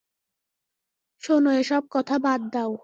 শোনো, এসব কথা বাদ দাও।